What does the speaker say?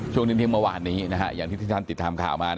นิ่มเมื่อวานนี้อย่างที่ท่านติดตามข่าวมา